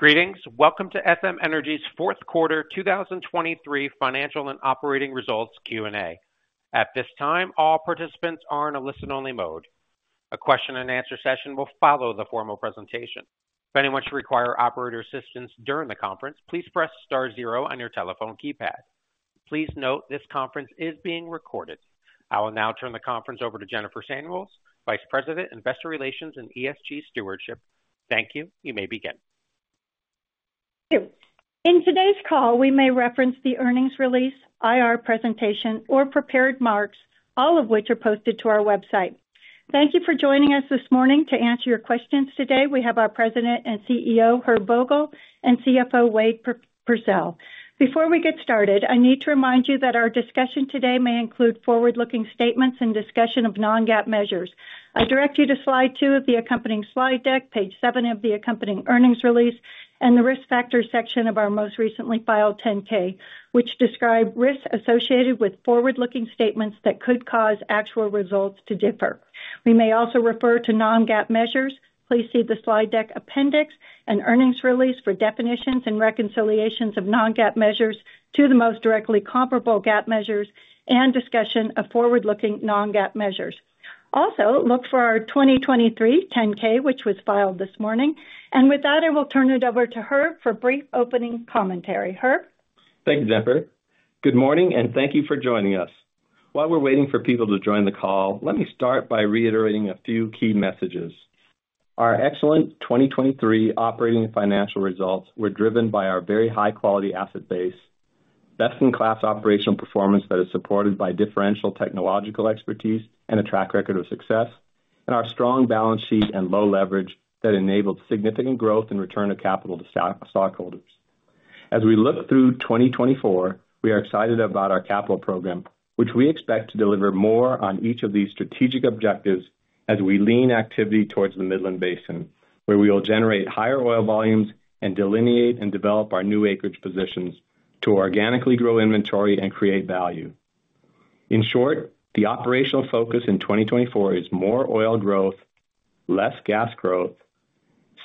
Greetings. Welcome to SM Energy's fourth quarter 2023 financial and operating results Q&A. At this time, all participants are in a listen-only mode. A question-and-answer session will follow the formal presentation. If anyone should require operator assistance during the conference, please press star zero on your telephone keypad. Please note this conference is being recorded. I will now turn the conference over to Jennifer Samuels, Vice President, Investor Relations and ESG Stewardship. Thank you. You may begin. Thank you. In today's call, we may reference the earnings release, IR presentation, or prepared remarks, all of which are posted to our website. Thank you for joining us this morning to answer your questions. Today, we have our President and CEO, Herb Vogel, and CFO, Wade Pursell. Before we get started, I need to remind you that our discussion today may include forward-looking statements and discussion of non-GAAP measures. I direct you to slide two of the accompanying slide deck, page seven of the accompanying earnings release, and the risk factors section of our most recently filed 10-K, which describe risks associated with forward-looking statements that could cause actual results to differ. We may also refer to non-GAAP measures. Please see the slide deck appendix and earnings release for definitions and reconciliations of non-GAAP measures to the most directly comparable GAAP measures and discussion of forward-looking non-GAAP measures. Also, look for our 2023 10-K, which was filed this morning. With that, I will turn it over to Herb for brief opening commentary. Herb? Thank you, Jennifer. Good morning, and thank you for joining us. While we're waiting for people to join the call, let me start by reiterating a few key messages. Our excellent 2023 operating and financial results were driven by our very high-quality asset base, best-in-class operational performance that is supported by differential technological expertise and a track record of success, and our strong balance sheet and low leverage that enabled significant growth and return of capital to stockholders. As we look through 2024, we are excited about our capital program, which we expect to deliver more on each of these strategic objectives as we lean activity towards the Midland Basin, where we will generate higher oil volumes and delineate and develop our new acreage positions to organically grow inventory and create value. In short, the operational focus in 2024 is more oil growth, less gas growth,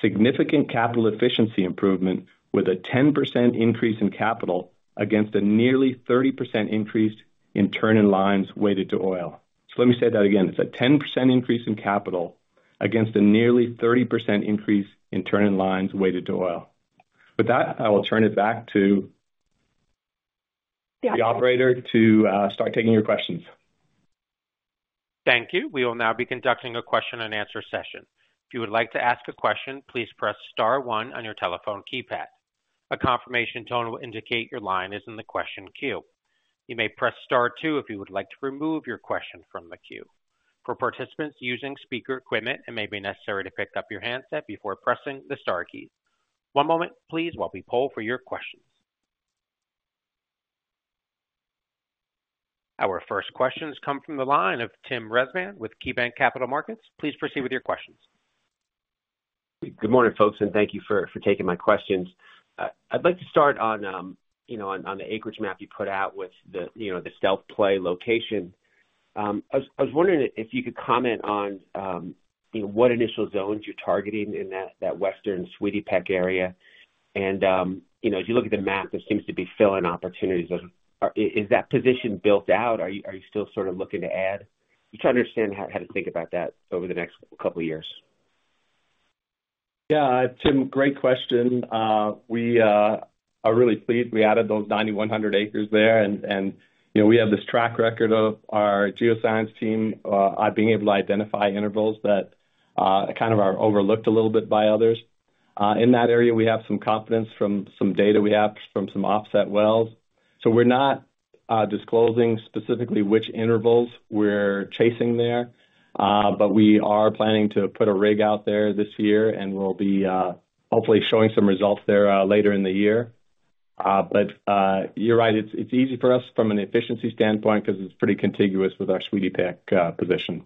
significant capital efficiency improvement with a 10% increase in capital against a nearly 30% increase in turn-in-lines weighted to oil. Let me say that again. It's a 10% increase in capital against a nearly 30% increase in turn-in-lines weighted to oil. With that, I will turn it back to the operator to start taking your questions. Thank you. We will now be conducting a question-and-answer session. If you would like to ask a question, please press star one on your telephone keypad. A confirmation tone will indicate your line is in the question queue. You may press star two if you would like to remove your question from the queue. For participants using speaker equipment, it may be necessary to pick up your handset before pressing the star key. One moment, please, while we poll for your questions. Our first questions come from the line of Tim Rezvan with KeyBanc Capital Markets. Please proceed with your questions. Good morning, folks, and thank you for taking my questions. I'd like to start on the acreage map you put out with the stealth play location. I was wondering if you could comment on what initial zones you're targeting in that western Sweetie Peck area. As you look at the map, there seems to be fill-in opportunities. Is that position built out? Are you still sort of looking to add? I'm trying to understand how to think about that over the next couple of years. Yeah, Tim, great question. We are really pleased. We added those 9,100 acres there, and we have this track record of our geoscience team being able to identify intervals that kind of are overlooked a little bit by others. In that area, we have some confidence from some data we have from some offset wells. So we're not disclosing specifically which intervals we're chasing there, but we are planning to put a rig out there this year, and we'll be hopefully showing some results there later in the year. But you're right. It's easy for us from an efficiency standpoint because it's pretty contiguous with our Sweetie Peck position.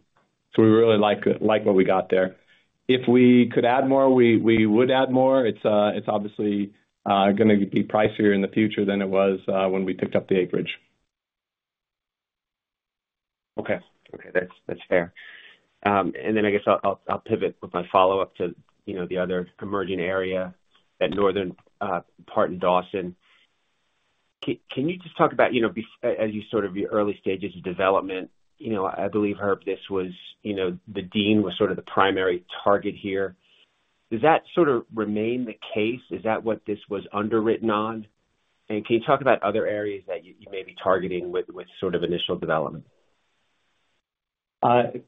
So we really like what we got there. If we could add more, we would add more. It's obviously going to be pricier in the future than it was when we picked up the acreage. Okay. Okay. That's fair. And then I guess I'll pivot with my follow-up to the other emerging area, that northern part in Dawson. Can you just talk about, as you sort of early stages of development, I believe, Herb, this was the Dean was sort of the primary target here. Does that sort of remain the case? Is that what this was underwritten on? And can you talk about other areas that you may be targeting with sort of initial development?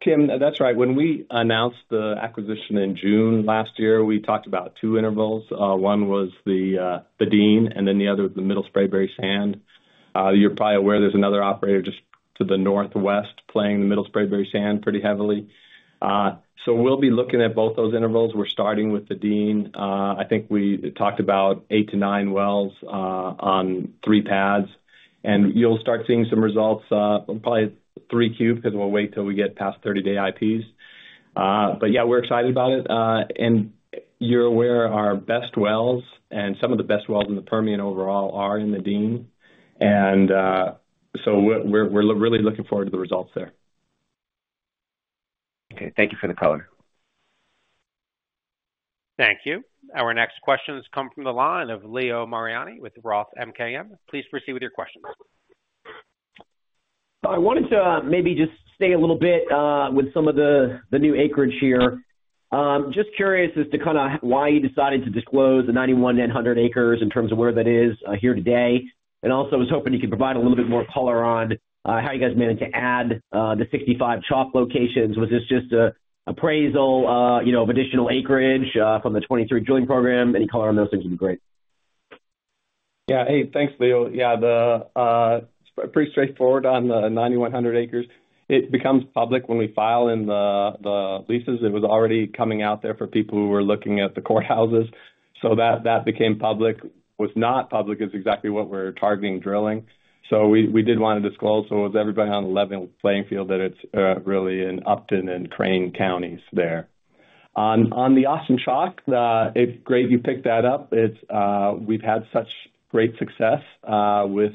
Tim, that's right. When we announced the acquisition in June last year, we talked about two intervals. One was the Dean, and then the other was the Middle Spraberry sand. You're probably aware, there's another operator just to the northwest playing the Middle Spraberry sand pretty heavily. So we'll be looking at both those intervals. We're starting with the Dean. I think we talked about 8-9 wells on three pads. And you'll start seeing some results probably at 3Q because we'll wait till we get past 30-day IPs. But yeah, we're excited about it. And you're aware, our best wells and some of the best wells in the Permian overall are in the Dean. And so we're really looking forward to the results there. Okay. Thank you for the caller. Thank you. Our next questions come from the line of Leo Mariani with Roth MKM. Please proceed with your questions. I wanted to maybe just stay a little bit with some of the new acreage here. Just curious as to kind of why you decided to disclose the 9,100 acres in terms of where that is here today. Also, I was hoping you could provide a little bit more color on how you guys managed to add the 65 Chalk locations. Was this just appraisal of additional acreage from the 2023 drilling program? Any color on those things would be great. Yeah. Hey, thanks, Leo. Yeah, pretty straightforward on the 9,100 acres. It becomes public when we file in the leases. It was already coming out there for people who were looking at the courthouses. So that became public. Was not public is exactly what we're targeting drilling. So we did want to disclose. So it was everybody on level playing field that it's really in Upton County and Crane County there. On the Austin Chalk, great you picked that up. We've had such great success with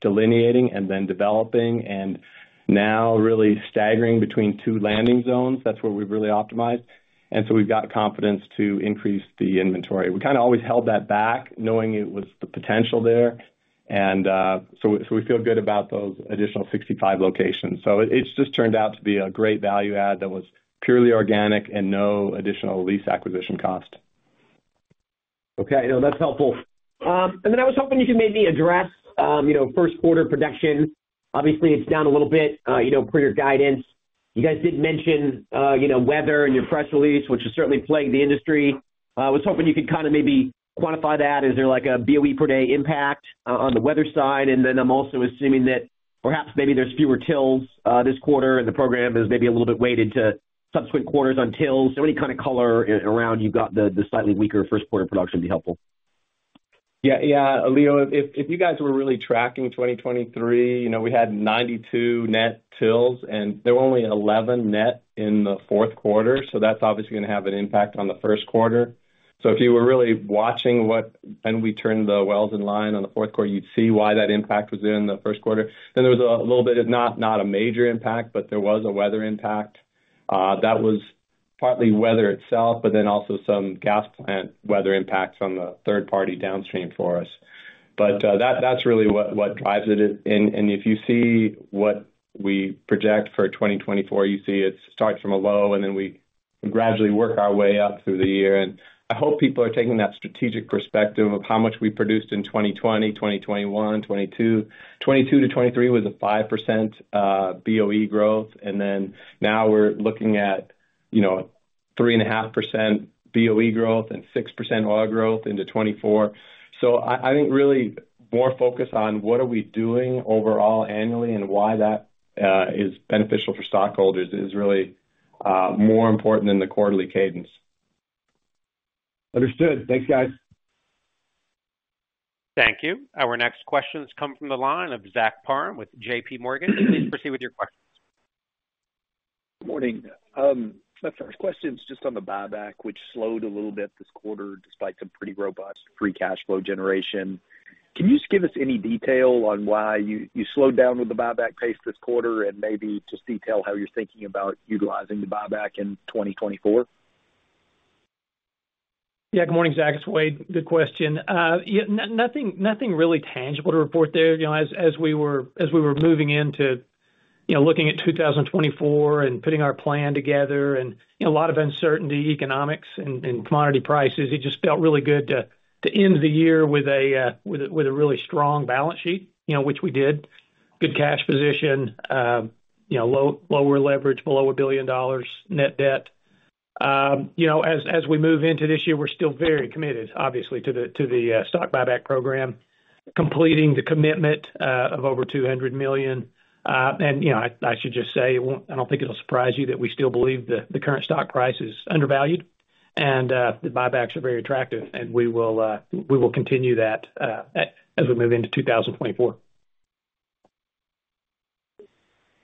delineating and then developing and now really staggering between two landing zones. That's where we've really optimized. And so we've got confidence to increase the inventory. We kind of always held that back knowing it was the potential there. And so we feel good about those additional 65 locations. It's just turned out to be a great value add that was purely organic and no additional lease acquisition cost. Okay. That's helpful. And then I was hoping you could maybe address first quarter production. Obviously, it's down a little bit per your guidance. You guys did mention weather in your press release, which has certainly plagued the industry. I was hoping you could kind of maybe quantify that. Is there a BOE per day impact on the weather side? And then I'm also assuming that perhaps maybe there's fewer TILs this quarter, and the program is maybe a little bit weighted to subsequent quarters on TILs. So any kind of color around you got the slightly weaker first quarter production would be helpful. Yeah. Yeah. Leo, if you guys were really tracking 2023, we had 92 net wells, and there were only 11 net in the fourth quarter. So that's obviously going to have an impact on the first quarter. So if you were really watching when we turned the wells in line on the fourth quarter, you'd see why that impact was there in the first quarter. Then there was a little bit of not a major impact, but there was a weather impact. That was partly weather itself, but then also some gas plant weather impacts from the third party downstream for us. But that's really what drives it. And if you see what we project for 2024, you see it starts from a low, and then we gradually work our way up through the year. I hope people are taking that strategic perspective of how much we produced in 2020, 2021, 2022. 2022 to 2023 was a 5% BOE growth. And then now we're looking at 3.5% BOE growth and 6% oil growth into 2024. I think really more focus on what are we doing overall annually and why that is beneficial for stockholders is really more important than the quarterly cadence. Understood. Thanks, guys. Thank you. Our next questions come from the line of Zach Parham with J.P. Morgan. Please proceed with your questions. Good morning. My first question is just on the buyback, which slowed a little bit this quarter despite some pretty robust free cash flow generation. Can you just give us any detail on why you slowed down with the buyback pace this quarter and maybe just detail how you're thinking about utilizing the buyback in 2024? Yeah. Good morning, Zach. It's Wade. Good question. Nothing really tangible to report there. As we were moving into looking at 2024 and putting our plan together and a lot of uncertainty, economics, and commodity prices, it just felt really good to end the year with a really strong balance sheet, which we did. Good cash position, lower leverage, below $1 billion net debt. As we move into this year, we're still very committed, obviously, to the stock buyback program, completing the commitment of over $200 million. And I should just say, I don't think it'll surprise you that we still believe the current stock price is undervalued, and the buybacks are very attractive. And we will continue that as we move into 2024.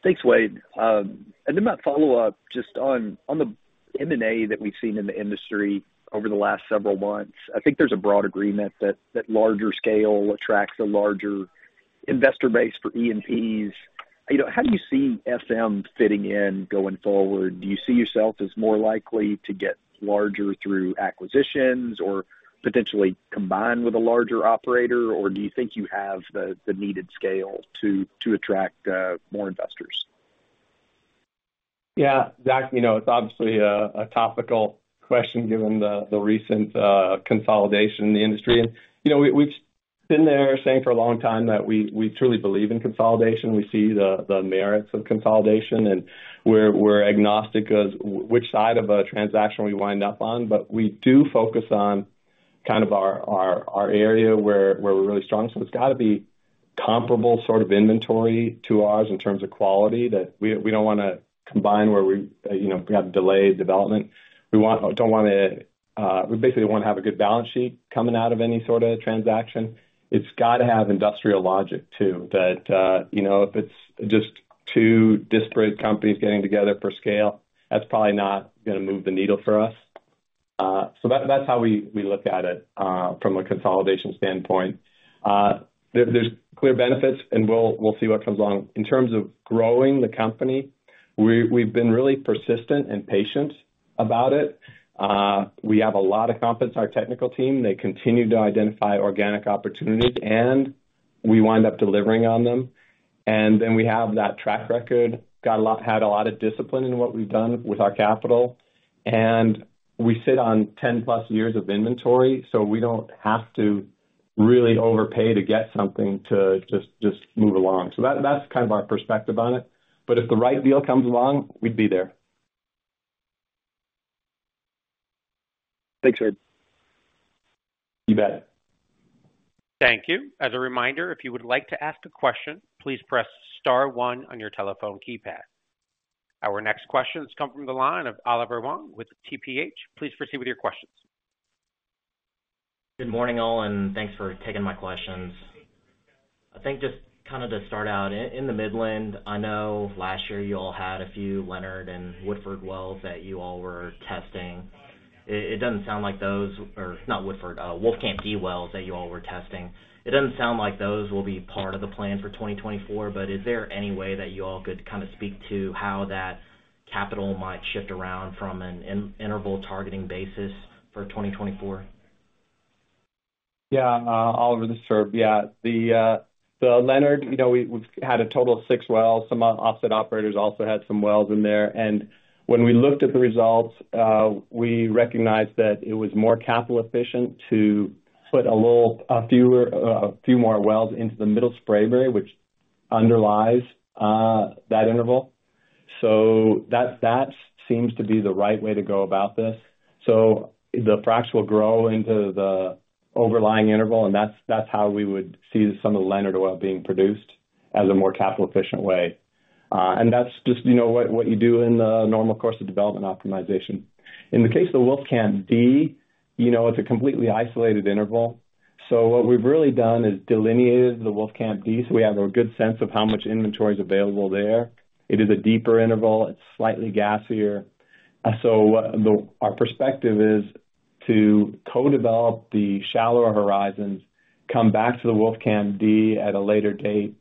Thanks, Wade. And then my follow-up just on the M&A that we've seen in the industry over the last several months, I think there's a broad agreement that larger scale attracts a larger investor base for E&Ps. How do you see SM fitting in going forward? Do you see yourself as more likely to get larger through acquisitions or potentially combined with a larger operator, or do you think you have the needed scale to attract more investors? Yeah, Zach, it's obviously a topical question given the recent consolidation in the industry. We've been there saying for a long time that we truly believe in consolidation. We see the merits of consolidation, and we're agnostic as to which side of a transaction we wind up on. We do focus on kind of our area where we're really strong. It's got to be comparable sort of inventory to ours in terms of quality. We don't want to combine where we have delayed development. We don't want to. We basically don't want to have a good balance sheet coming out of any sort of transaction. It's got to have industrial logic too, that if it's just two disparate companies getting together for scale, that's probably not going to move the needle for us. That's how we look at it from a consolidation standpoint. There's clear benefits, and we'll see what comes along. In terms of growing the company, we've been really persistent and patient about it. We have a lot of confidence in our technical team. They continue to identify organic opportunities, and we wind up delivering on them. And then we have that track record, had a lot of discipline in what we've done with our capital. And we sit on 10+ years of inventory, so we don't have to really overpay to get something to just move along. So that's kind of our perspective on it. But if the right deal comes along, we'd be there. Thanks, Herb. You bet. Thank you. As a reminder, if you would like to ask a question, please press star one on your telephone keypad. Our next questions come from the line of Oliver Huang with TPH. Please proceed with your questions. Good morning, all, and thanks for taking my questions. I think just kind of to start out, in the Midland, I know last year you all had a few Leonard and Woodford wells that you all were testing. It doesn't sound like those or not Woodford, Wolfcamp D wells that you all were testing. It doesn't sound like those will be part of the plan for 2024, but is there any way that you all could kind of speak to how that capital might shift around from an interval targeting basis for 2024? Yeah, Oliver, this is Herb. Yeah. The Leonard, we've had a total of six wells. Some offset operators also had some wells in there. And when we looked at the results, we recognized that it was more capital-efficient to put a few more wells into the Middle Spraberry, which underlies that interval. So that seems to be the right way to go about this. So the fracs will grow into the overlying interval, and that's how we would see some of the Leonard well being produced as a more capital-efficient way. And that's just what you do in the normal course of development optimization. In the case of the Wolfcamp D, it's a completely isolated interval. So what we've really done is delineated the Wolfcamp D. So we have a good sense of how much inventory is available there. It is a deeper interval. It's slightly gassier. So our perspective is to co-develop the shallower horizons, come back to the Wolfcamp D at a later date,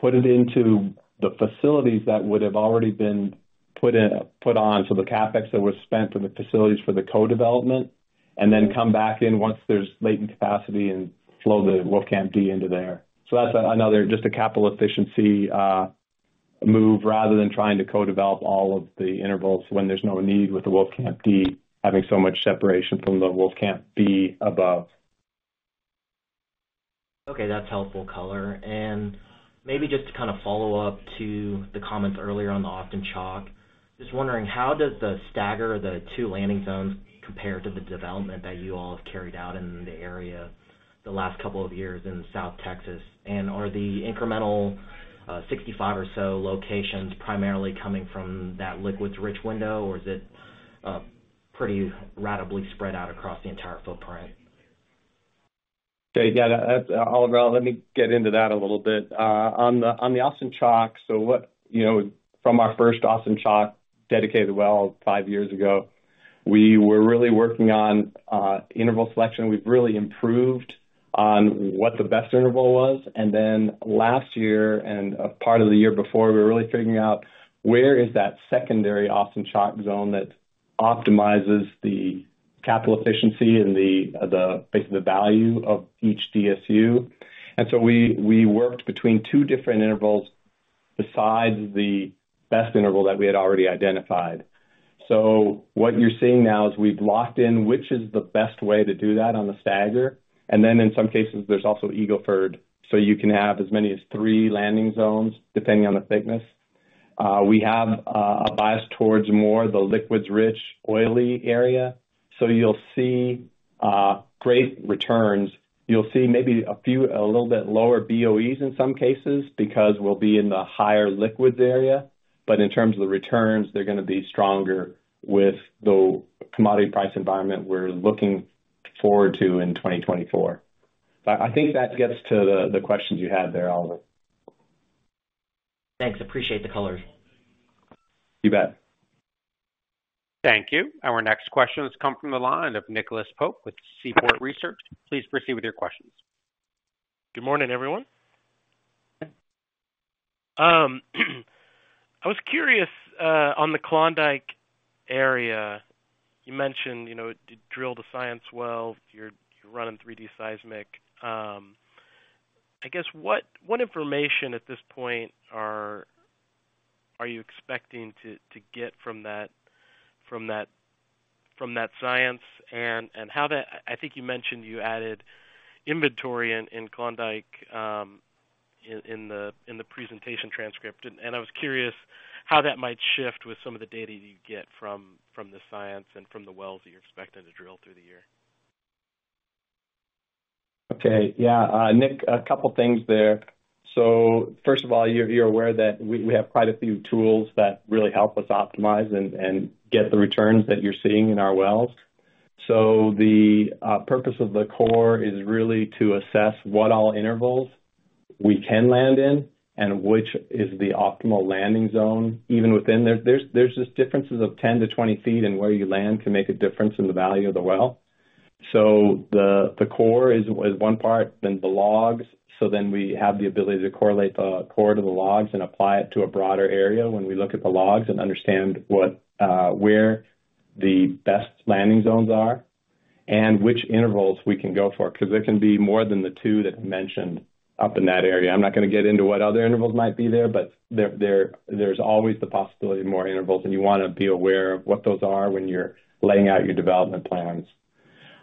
put it into the facilities that would have already been put on. So the CapEx that was spent for the facilities for the co-development, and then come back in once there's latent capacity and flow the Wolfcamp D into there. So that's just a capital efficiency move rather than trying to co-develop all of the intervals when there's no need with the Wolfcamp D having so much separation from the Wolfcamp B above. Okay. That's helpful color. And maybe just to kind of follow up to the comments earlier on the Austin Chalk, just wondering, how does the stagger of the two landing zones compare to the development that you all have carried out in the area the last couple of years in South Texas? And are the incremental 65 or so locations primarily coming from that liquids-rich window, or is it pretty ratably spread out across the entire footprint? Okay. Yeah. Oliver, let me get into that a little bit. On the Austin Chalk, so from our first Austin Chalk dedicated well five years ago, we were really working on interval selection. We've really improved on what the best interval was. And then last year and part of the year before, we were really figuring out where is that secondary Austin Chalk zone that optimizes the capital efficiency and basically the value of each DSU. And so we worked between two different intervals besides the best interval that we had already identified. So what you're seeing now is we've locked in which is the best way to do that on the stagger. And then in some cases, there's also Eagle Ford. So you can have as many as three landing zones depending on the thickness. We have a bias towards more the liquids-rich, oily area. So you'll see great returns. You'll see maybe a little bit lower BOEs in some cases because we'll be in the higher liquids area. But in terms of the returns, they're going to be stronger with the commodity price environment we're looking forward to in 2024. So I think that gets to the questions you had there, Oliver. Thanks. Appreciate the colors. You bet. Thank you. Our next question has come from the line of Nicholas Pope with Seaport Research. Please proceed with your questions. Good morning, everyone. I was curious on the Klondike area. You mentioned you drilled a science well. You're running 3D seismic. I guess what information at this point are you expecting to get from that science? And I think you mentioned you added inventory in Klondike in the presentation transcript. And I was curious how that might shift with some of the data you get from the science and from the wells that you're expecting to drill through the year. Okay. Yeah. Nick, a couple of things there. So first of all, you're aware that we have quite a few tools that really help us optimize and get the returns that you're seeing in our wells. So the purpose of the core is really to assess what all intervals we can land in and which is the optimal landing zone even within there's just differences of 10-20 feet in where you land can make a difference in the value of the well. So the core is one part, then the logs. So then we have the ability to correlate the core to the logs and apply it to a broader area when we look at the logs and understand where the best landing zones are and which intervals we can go for because there can be more than the two that I mentioned up in that area. I'm not going to get into what other intervals might be there, but there's always the possibility of more intervals. You want to be aware of what those are when you're laying out your development plans.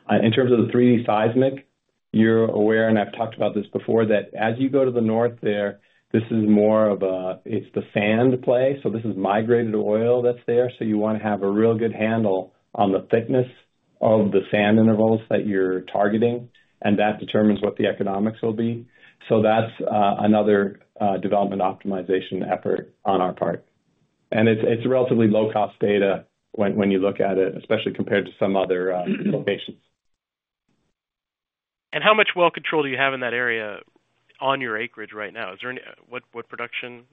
In terms of the 3D seismic, you're aware, and I've talked about this before, that as you go to the north there, this is more of a it's the sand play. So this is migrated oil that's there. So you want to have a real good handle on the thickness of the sand intervals that you're targeting. That determines what the economics will be. So that's another development optimization effort on our part. It's relatively low-cost data when you look at it, especially compared to some other locations. How much well control do you have in that area on your acreage right now? What production?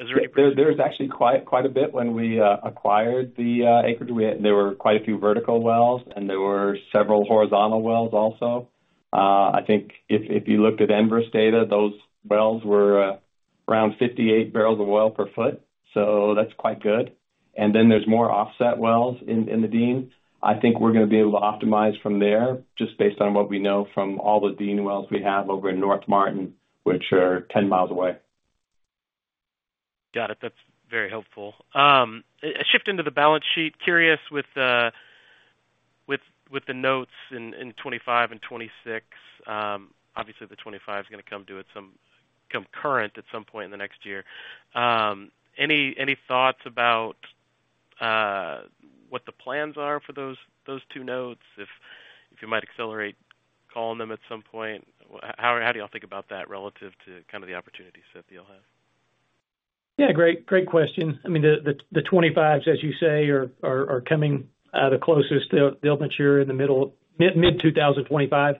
Is there any production? There was actually quite a bit when we acquired the acreage. There were quite a few vertical wells, and there were several horizontal wells also. I think if you looked at Enverus data, those wells were around 58 barrels of oil per foot. So that's quite good. And then there's more offset wells in the Dean. I think we're going to be able to optimize from there just based on what we know from all the Dean wells we have over in North Martin, which are 10 miles away. Got it. That's very helpful. A shift into the balance sheet. Curious with the notes in 2025 and 2026. Obviously, the 2025 is going to become current at some point in the next year. Any thoughts about what the plans are for those two notes? If you might accelerate calling them at some point, how do y'all think about that relative to kind of the opportunity set that y'all have? Yeah. Great question. I mean, the 2025s, as you say, are coming the closest. They'll mature in mid-2025.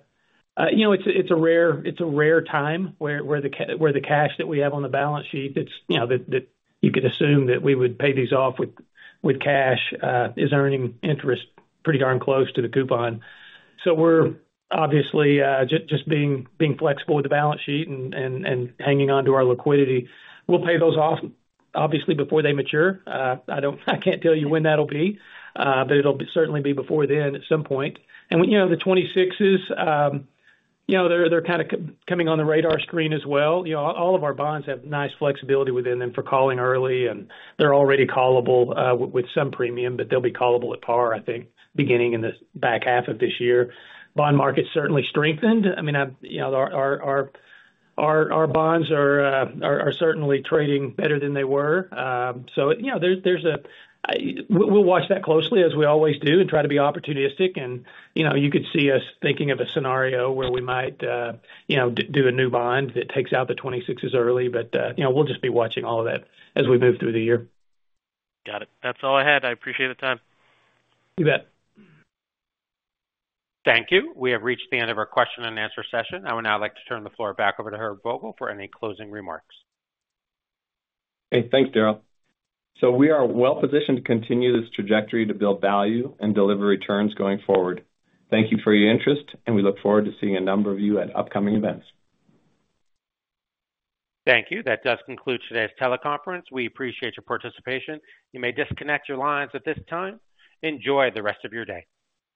It's a rare time where the cash that we have on the balance sheet that you could assume that we would pay these off with cash is earning interest pretty darn close to the coupon. So we're obviously just being flexible with the balance sheet and hanging on to our liquidity. We'll pay those off, obviously, before they mature. I can't tell you when that'll be, but it'll certainly be before then at some point. And the 2026s, they're kind of coming on the radar screen as well. All of our bonds have nice flexibility within them for calling early, and they're already callable with some premium, but they'll be callable at par, I think, beginning in the back half of this year. Bond market's certainly strengthened. I mean, our bonds are certainly trading better than they were. So we'll watch that closely as we always do and try to be opportunistic. And you could see us thinking of a scenario where we might do a new bond that takes out the 2026s early, but we'll just be watching all of that as we move through the year. Got it. That's all I had. I appreciate the time. You bet. Thank you. We have reached the end of our question-and-answer session. I would now like to turn the floor back over to Herb Vogel for any closing remarks. Hey. Thanks, Daryl. We are well-positioned to continue this trajectory to build value and deliver returns going forward. Thank you for your interest, and we look forward to seeing a number of you at upcoming events. Thank you. That does conclude today's teleconference. We appreciate your participation. You may disconnect your lines at this time. Enjoy the rest of your day.